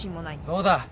そうだ。